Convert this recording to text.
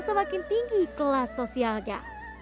semakin tinggi kelas sosialnya